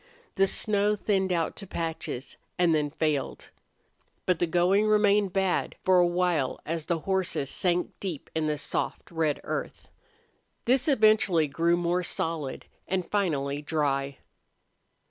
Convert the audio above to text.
The snow thinned out to patches, and then failed. But the going remained bad for a while as the horses sank deep in a soft red earth. This eventually grew more solid and finally dry.